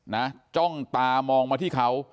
จ้องตามองมาที่เขา